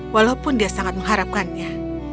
walaupun dia sangat mengharapkannya